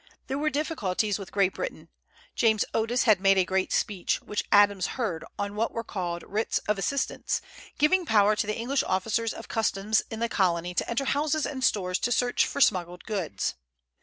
There were difficulties with Great Britain. James Otis had made a great speech, which Adams heard, on what were called "writs of assistance," giving power to the English officers of customs in the Colony to enter houses and stores to search for smuggled goods.